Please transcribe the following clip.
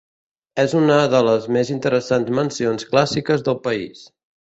És una de les més interessants mansions clàssiques del país.